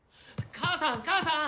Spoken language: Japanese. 母さん母さん！